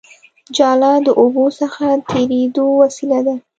جاله د اوبو څخه تېرېدو وسیله ده